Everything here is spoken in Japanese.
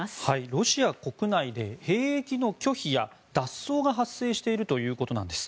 ロシア国内で兵役の拒否や脱走が発生しているということなんです。